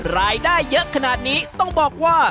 รายได้เยอะขนาดนี้ต้องบอกว่า